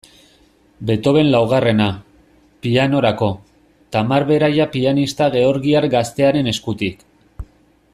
Beethovenen laugarrena, pianorako, Tamar Beraia pianista georgiar gaztearen eskutik.